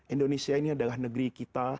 indonesia ini adalah negeri kita